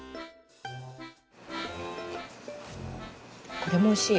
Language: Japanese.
これもおいしい。